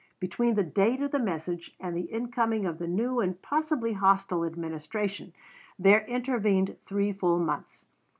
Between the date of the message and the incoming of the new and possibly hostile Administration there intervened three full months.